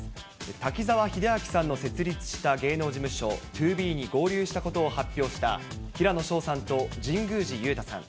滝沢秀明さんの設立した芸能事務所、ＴＯＢＥに合流したことを発表した平野紫燿さんと神宮寺勇太さん。